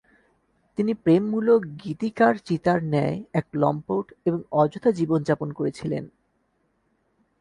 তিনি প্রেমমূলক গীতিকারচিতার ন্যায় এক লম্পট এবং অযথা জীবন যাপন করেছিলেন।